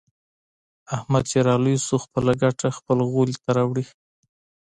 احمد چې را لوی شو. خپله ګټه خپل غولي ته راوړي.